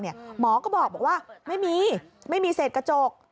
หมอก็บอกว่าไม่มีเสษกระจก